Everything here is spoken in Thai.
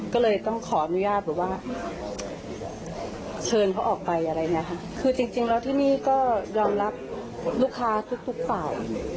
ก็เลยต้องขออนุญาตแบบว่าเชิญเขาออกไปอะไรอย่างนี้ค่ะคือจริงแล้วที่นี่ก็ยอมรับลูกค้าทุกทุกฝ่าย